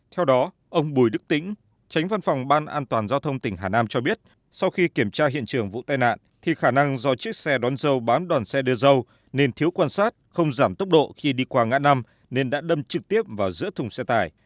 theo đó ông bùi đức tĩnh tránh văn phòng ban an toàn giao thông tỉnh hà nam cho biết sau khi kiểm tra hiện trường vụ tai nạn thì khả năng do chiếc xe đón dâu bám đoàn xe đưa dâu nên thiếu quan sát không giảm tốc độ khi đi qua ngã năm nên đã đâm trực tiếp vào giữa thùng xe tải